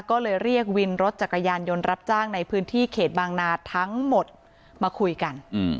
ก็เลยเรียกวินรถจักรยานยนต์รับจ้างในพื้นที่เขตบางนาทั้งหมดมาคุยกัน